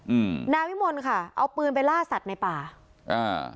อืมนายวิมลค่ะเอาปืนไปล่าสัตว์ในป่าอ่า